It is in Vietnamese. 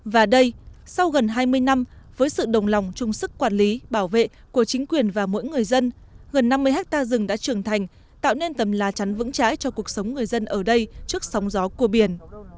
và đây sau gần hai mươi năm với sự đồng lòng trung sức quản lý bảo vệ của chính quyền và mỗi người dân gần năm mươi hectare rừng đã trưởng thành tạo nên tầm lá chắn vững trái cho cuộc sống người dân ở đây trước sóng gió cua biển